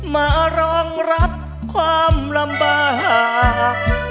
มารองรับความลำบาก